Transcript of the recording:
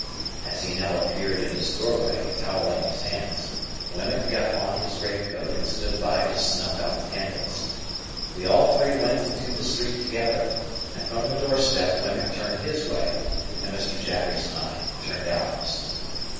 As he now appeared in his doorway, towelling his hands, Wemmick got on his great coat and stood by to snuff out the candles. We all three went into the street together, and from the door step Wemmick turned his way, and Mr. Jaggers and I turned ours.